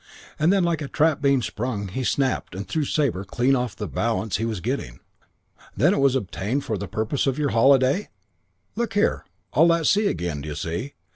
And then like a trap being sprung he snapped and threw Sabre clean off the balance he was getting. 'Then it was obtained for the purpose of your holiday?' "'Look here ' All at sea again, d'you see?